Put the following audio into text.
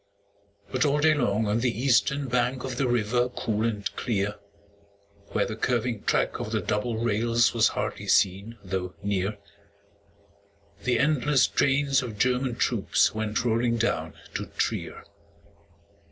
But all day long on the eastern bank Of the river cool and clear, Where the curving track of the double rails Was hardly seen though near, The endless trains of German troops Went rolling down to Trier.